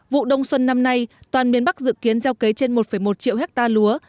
vụ đông xuân năm nay toàn miền bắc dự kiến gieo cấy trên một một triệu hectare lúa